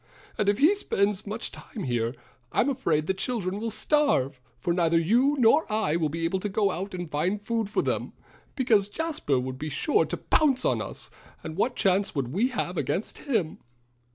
"And if he spends much time here I'm afraid the children will starve, for neither you nor I will be able to go out and find food for them, because Jasper would be sure to pounce on us; and what chance would we have against him?"